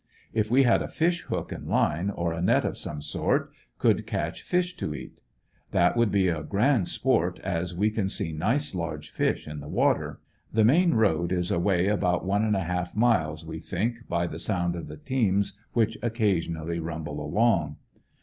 If we had a fish hook and line or a net of some sort could catch fish to eat. That woulc' be a grand sport as we can see nice large fish in the water. The main road is away about one and a half miles we think by the sound of the teams which occasionally rumble along.